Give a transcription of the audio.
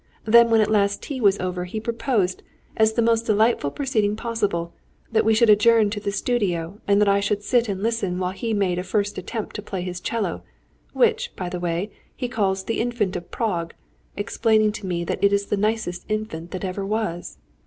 Then when at last tea was over, he proposed, as the most delightful proceeding possible, that we should adjourn to the studio, and that I should sit and listen while he made a first attempt to play his 'cello which, by the way, he calls, the 'Infant of Prague,' explaining to me that it is the nicest infant that ever was."